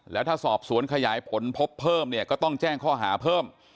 แล้วถ้าสอบสวนขยายผลพบเพิ่มเนี่ยก็ต้องแจ้งข้อหาเพิ่ม